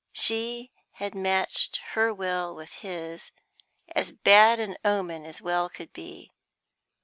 She had matched her will with his, as bad an omen as well could be.